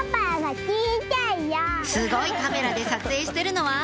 すごいカメラで撮影してるのは？